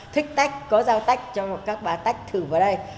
thích tách có giao tách cho các bà tách thử vào đây